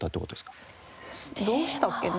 どうしたっけね？